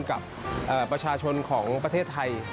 กับประชาชนของประเทศไทย